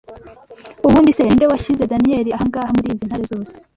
Ubundi se ni nde washyize Daniyeli aha ngaha muri izi ntare zose